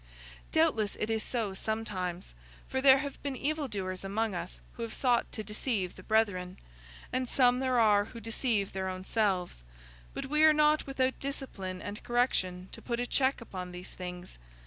"Doubtless it is so sometimes; for there have been evil doers among us who have sought to deceive the brethren, and some there are who deceive their own selves. But we are not without discipline and correction to put a check upon these things.